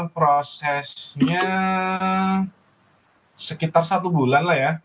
prosesnya sekitar satu bulan lah ya